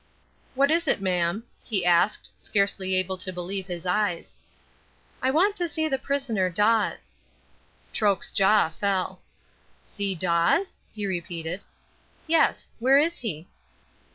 "What is it, mam?" he asked, scarcely able to believe his eyes. "I want to see the prisoner Dawes." Troke's jaw fell. "See Dawes?" he repeated. "Yes. Where is he?"